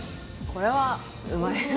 これはうまいわ。